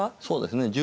そうですね